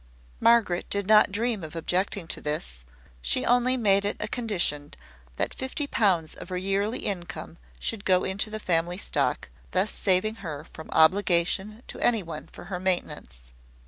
Margaret did not dream of objecting to this: she only made it a condition that fifty pounds of her yearly income should go into the family stock, thus saving her from obligation to any one for her maintenance.